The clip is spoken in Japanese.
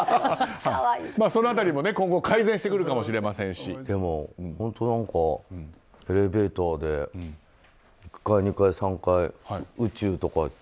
その辺りも今後改善してくるかもしれませんしでも、本当エレベーターで１階、２階、３階宇宙とかって。